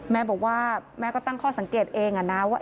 แม่บอกว่าแม่ก็ตั้งข้อสังเกตเองนะว่า